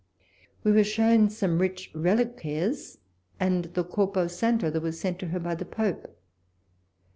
We were shown some rich reliquaires and the corpo santo that was sent to her by the Pope.